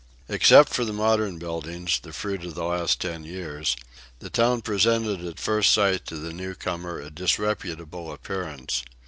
Except for the modern buildings, the fruit of the last ten years, the town presented at first sight to the newcomer a disreputable appearance.